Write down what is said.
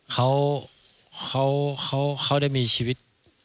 เขาเขาเขาได้มีชีวิต